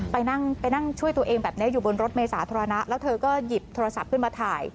ไปนั่งช่วยตัวเองแบบนี้อยู่บนรถเมษาแล้วเธอก็หยิบโทรศัพท์ขึ้นมาถ่าย